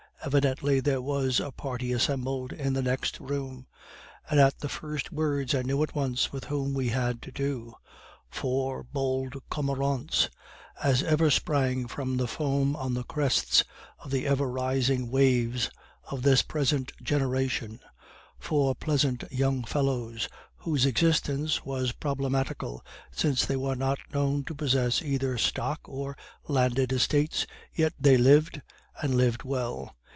Evidently there was a party assembled in the next room, and at the first words I knew at once with whom we had to do four bold cormorants as ever sprang from the foam on the crests of the ever rising waves of this present generation four pleasant young fellows whose existence was problematical, since they were not known to possess either stock or landed estates, yet they lived, and lived well.